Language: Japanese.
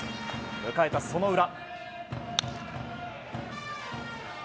迎えた、その裏。